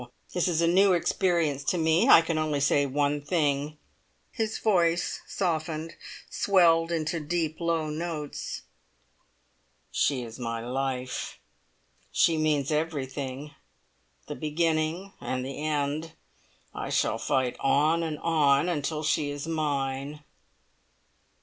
This is a new experience to me. I can only say one thing" his voice softened, swelled into deep, low notes "she is my life. She means everything the beginning and the end. I shall fight on and on until she is mine."